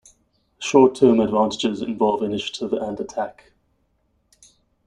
Short term advantages involve initiative and attack.